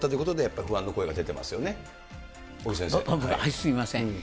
すみません。